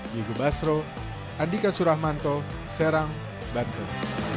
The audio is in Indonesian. diego basro andika suramanto serang banten